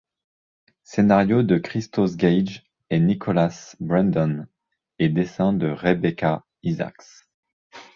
Scénario de Christos Gage et Nicholas Brendon, et dessins de Rebekah Isaacs.